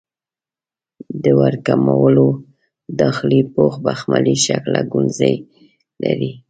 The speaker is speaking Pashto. د وړو کولمو داخلي پوښ بخملي شکله ګونځې لري.